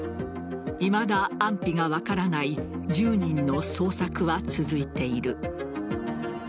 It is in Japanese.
いまだ安否が分からない１０人の捜索は続いている。